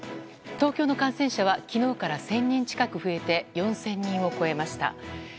東京の感染者は昨日から１０００人近く増えて４０００人を超えました。